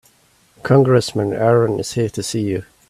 Congressman Aaron is here to see you.